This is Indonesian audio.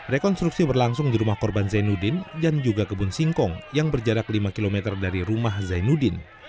rekonstruksi berlangsung di rumah korban zainuddin dan juga kebun singkong yang berjarak lima km dari rumah zainuddin